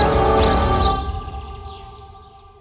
ก็แอดไว้แอดไว้แอดไว้